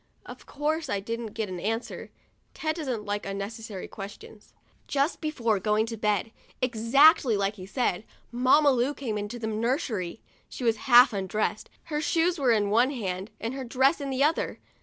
Of course, I didn't get an answer. Ted doesn't like unnecessary questions. Just before going to bed, exactly as he said, Mamma Lu came into the nursery. She was half undressed, her shoes were in one hand, and her dress in the other.